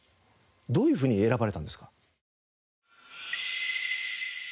どういうふうに選ばれたんですか？